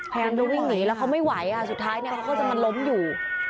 พยายามจะวิ่งหนีแล้วเขาไม่ไหวค่ะสุดท้ายเนี่ยเขาก็จะมาล้มอยู่